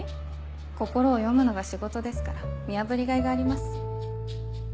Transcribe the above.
心を読むのが仕事ですから見破りがいがあります。